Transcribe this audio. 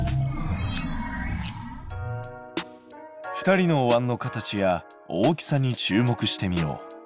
２人のおわんの形や大きさに注目してみよう。